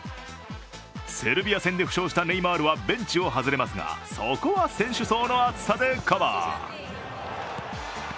セルビア戦で負傷したネイマールはベンチを外れますがそこは選手層の厚さでカバー。